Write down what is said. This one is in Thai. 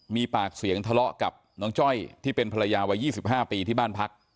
มีปากเสียงทะเลาะกับน้องจ้อยที่เป็นภรรยาวัย๒๕ปีที่บ้านพัก